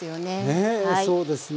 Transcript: ねえそうですね。